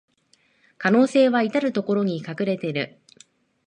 可能性はいたるところに隠れてる